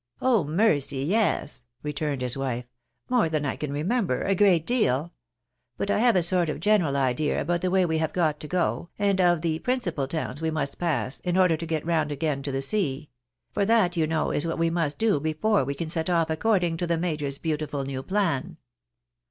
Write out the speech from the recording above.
" Oh, mercy, yes !" returned his wife ;" more than I can remember, a great deal. But I have a sort of general idea about the way we have got to go, and of the principal towns we must pass, in order to get round again to the sea ; for that you know is what we must do before we can set olf according to the major's beautiful new plan."